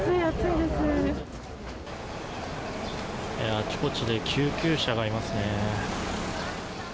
あちこちで救急車がいますね。